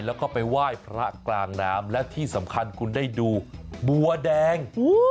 แล้วก็ไปไหว้พระกลางน้ำและที่สำคัญคุณได้ดูบัวแดง